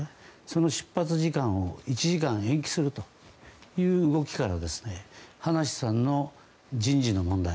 その出発時間を１時間延期するという動きから葉梨さんの人事の問題